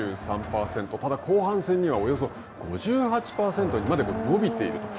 ただ、後半戦にはおよそ５８％にまで伸びていると。